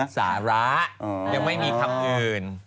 สาระยังไม่มีคำอื่น